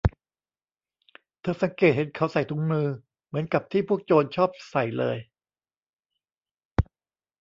เธอสังเกตเห็นเขาใส่ถุงมือ เหมือนกับที่พวกโจรชอบใส่เลย